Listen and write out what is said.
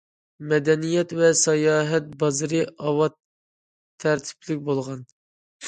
مەدەنىيەت ۋە ساياھەت بازىرى ئاۋات، تەرتىپلىك بولغان.